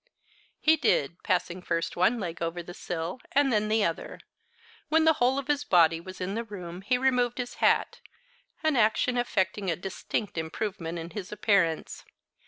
He did, passing first one leg over the sill, and then the other. When the whole of his body was in the room he removed his hat, the action effecting a distinct improvement in his appearance.